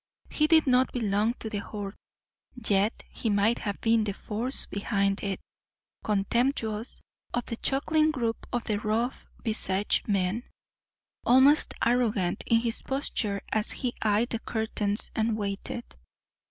He did not belong to the Horde. Yet he might have been the force behind it, contemptuous of the chuckling group of rough visaged men, almost arrogant in his posture as he eyed the curtains and waited.